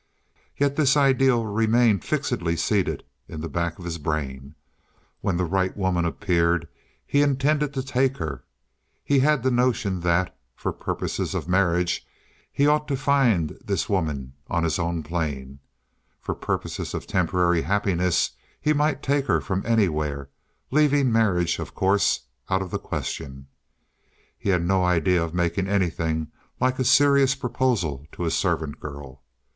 Yet this ideal remained fixedly seated in the back of his brain—when the right woman appeared he intended to take her. He had the notion that, for purposes of marriage, he ought perhaps to find this woman on his own plane. For purposes of temporary happiness he might take her from anywhere, leaving marriage, of course, out of the question. He had no idea of making anything like a serious proposal to a servant girl.